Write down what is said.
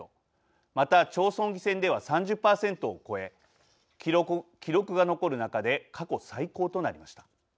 また、町村議選では３０％を超え記録が残る中で過去最高となりました。